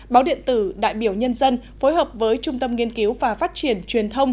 báo điện tử đại biểu nhân dân phối hợp với trung tâm nghiên cứu và phát triển truyền thông